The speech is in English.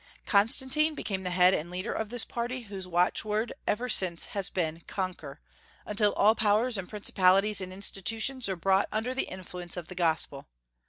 Constantine became the head and leader of this party, whose watchword ever since has been "Conquer," until all powers and principalities and institutions are brought under the influence of the gospel.